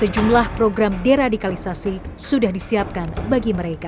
meclaim sejumlah program diradikalisasi sudah disiapkan bagi mereka